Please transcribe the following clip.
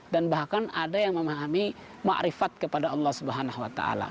dan bahkan ada yang memahami ma'rifat kepada allah swt